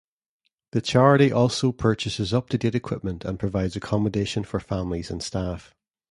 The charity also purchases up-to-date equipment, and provides accommodation for families and staff.